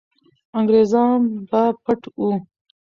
انګریزان به پټ وو.